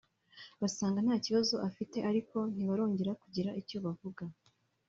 basanga nta kibazo afite ariko ntibarongera kugira icyo bavuga